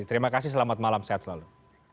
terima kasih selamat malam sehat selalu